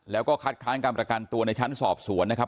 แล้วก็คัดค้านการประกันตัวในชั้นสอบสวนนะครับ